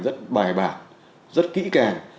rất bài bản rất kỹ càng